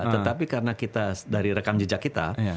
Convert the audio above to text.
tetapi karena kita dari rekam jejak kita